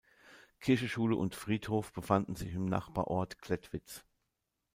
Kirche, Schule und Friedhof befanden sich im Nachbarort Klettwitz.